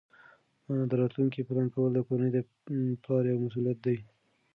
د راتلونکي پلان کول د کورنۍ د پلار یوه مسؤلیت ده.